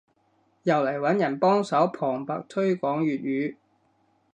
又嚟揾人幫手旁白推廣粵語